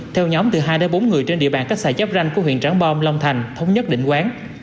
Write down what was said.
theo nhóm từ hai đến bốn người trên địa bàn cách xài chấp ranh của huyện trắng bom long thành thống nhất định quán